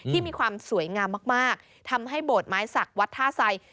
มีความสวยงามมากทำให้โบสถไม้สักวัดท่าไซ